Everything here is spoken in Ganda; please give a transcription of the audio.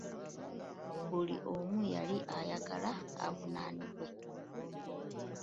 Buli omu yali ayagala avunaanibwe.